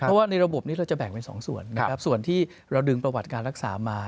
ก็ในระบบนี้เราจะแบ่งเป็น๒ส่วนส่วนที่เราดึงประวัติการรักษามา